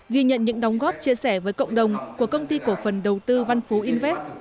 ghi nhận những đóng góp chia sẻ với cộng đồng của công ty cổ phần đầu tư văn phú invest